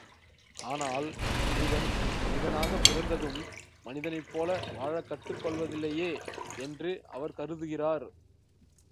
ஆனால் மனிதன் மனிதனாகப் பிறந்தும் மனிதனைப் போல வாழக் கற்றுக்கொள்வதில்லையே! என்று அவர் கருதுகிறார்.